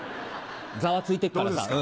ざわついてっからさ。